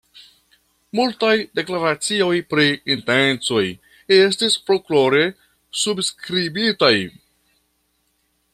Multaj deklaracioj pri intencoj estis folklore subskribitaj.